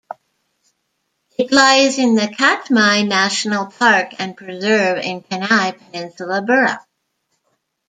It lies in the Katmai National Park and Preserve in Kenai Peninsula Borough.